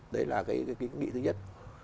đấy là cái kín nghị thứ nhất